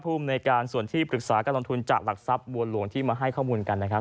ภูมิในการส่วนที่ปรึกษาการลงทุนจากหลักทรัพย์บัวหลวงที่มาให้ข้อมูลกันนะครับ